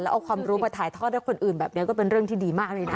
เอาความรู้มาถ่ายทอดให้คนอื่นแบบนี้ก็เป็นเรื่องที่ดีมากเลยนะ